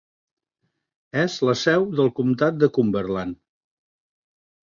És la seu del comtat de Cumberland.